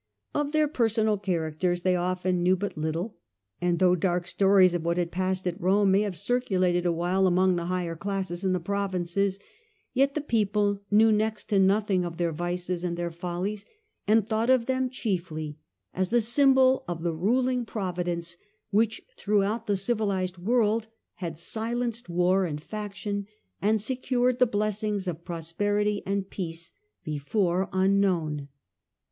Of their personal characters they often knew but little ; and though dark stories of what had passed at Rome may have circulated awhile among the higher classes in the provinces, yet the people knew next to nothing of their vices and their follies, and thought of them chiefly as the symbol of the ruling Providence which throughout the civilized world had silenced war and faction and secured the blessings of prosperity and peace, before unknown.